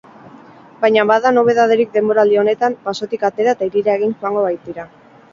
Baina bada nobedaderik denboraldi honetan, basotik atera eta hirira ere joango baitira.